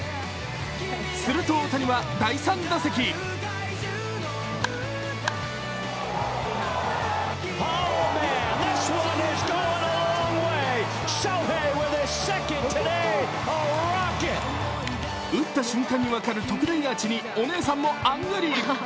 すると、大谷は第３打席打った瞬間に分かる特大アーチにお姉さんもあんぐり。